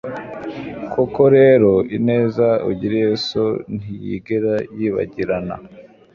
koko rero, ineza ugiriye so ntiyigera yibagirana